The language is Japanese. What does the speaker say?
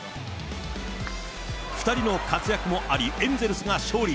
２人の活躍もあり、エンゼルスが勝利。